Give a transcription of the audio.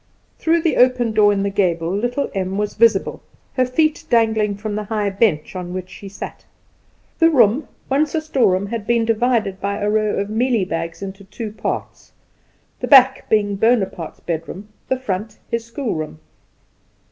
Through the open door in the gable little Em was visible, her feet dangling from the high bench on which she sat. The room, once a storeroom, had been divided by a row of mealie bags into two parts the back being Bonaparte's bedroom, the front his schoolroom.